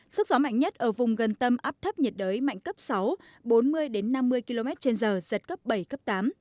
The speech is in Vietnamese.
sức gió mạnh nhất ở vùng gần tâm áp thấp nhiệt đới mạnh cấp sáu bốn mươi năm mươi km trên giờ giật cấp bảy cấp tám